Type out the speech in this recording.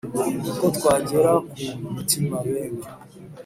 Uko twagera ku mutima bene